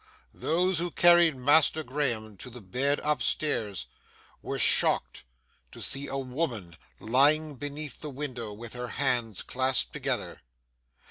[Picture: Death of Master Graham] Those who carried Master Graham to the bed up stairs were shocked to see a woman lying beneath the window with her hands clasped together.